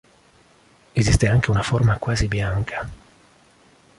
Esiste anche una forma quasi bianca.